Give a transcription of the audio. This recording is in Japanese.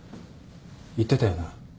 言ってたよな